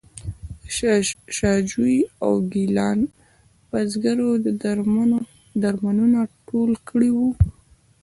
د شاه جوی او ګیلان بزګرو درمندونه ټول کړي وو.